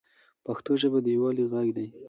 پښتو ژبه د یووالي ږغ دی.